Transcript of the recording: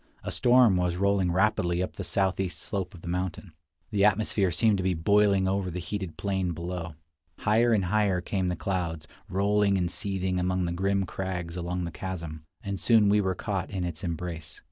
A storm was rolling rapidly up the southeast slope of the mountain. The atmosphere seemed to be boiling over the heated plain below. Higher and higher came the clouds, rolling and seething among the grim crags along the chasm; and soon we were caught in its embrace.